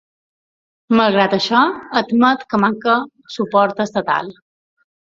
Malgrat això, admet que manca suport estatal.